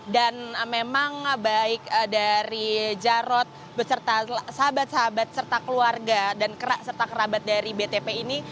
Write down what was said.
dan memang baik dari jarod beserta sahabat sahabat serta keluarga dan kerabat dari btp ini